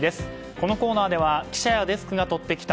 このコーナーでは記者やデスクがとってきた